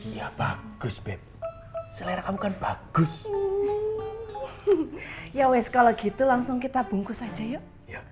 ya bagus bep selera kamu kan bagus ya wes kalau gitu langsung kita bungkus aja yuk